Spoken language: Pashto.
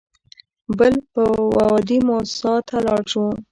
بل به وادي موسی ته لاړ شو.